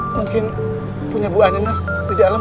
mungkin punya bu anden mas di dalam